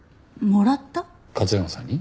勝山さんに？